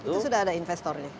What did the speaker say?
itu sudah ada investornya